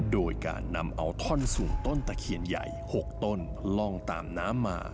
โดยการนำเอาท่อนสู่ต้นตะเคียนใหญ่๖ต้นล่องตามน้ำมา